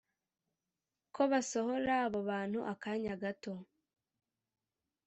Ko basohora abo bantu akanya gato